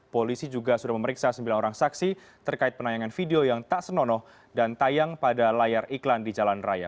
polisi juga sudah memeriksa sembilan orang saksi terkait penayangan video yang tak senonoh dan tayang pada layar iklan di jalan raya